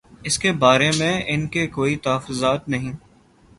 اس بارے میں ان کے کوئی تحفظات نہیں۔